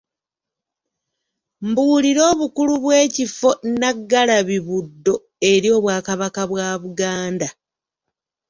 Mbuulira obukulu bw'ekifo Nnaggalabi-Buddo eri Obwakabaka bwa Buganda.